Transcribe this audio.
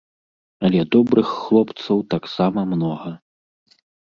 Але добрых хлопцаў таксама многа.